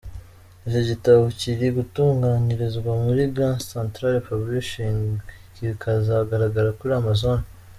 Iki gitabo kiri gutunganyirzwa muri Grand Central Publishing, kikazagaragara kuri Amazon.